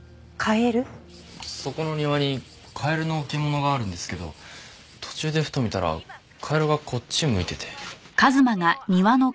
そこの庭にカエルの置物があるんですけど途中でふと見たらカエルがこっち向いてて。